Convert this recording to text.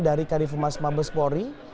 dari karifumas mabespori